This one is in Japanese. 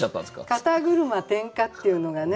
「肩車点火」っていうのがね。